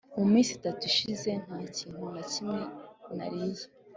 mu minsi itatu ishize nta kintu na kimwe nariye.